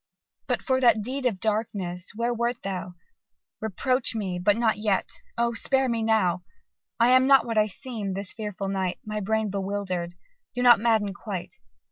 "But for that deed of darkness what wert thou? Reproach me but not yet O! spare me now! I am not what I seem this fearful night My brain bewilder'd do not madden quite!